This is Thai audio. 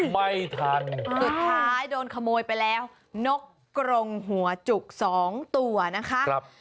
สุดท้ายโดนขโมยไปแล้วนกกลงหัวจุก๒ตัวนะคะ